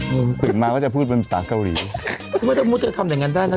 ห้วนถือแบบนี้ทำแต่ง่านก็ดี